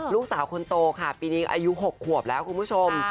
ลูกสาวคนโตค่ะปีนี้อายุ๖ขวบแล้วคุณผู้ชม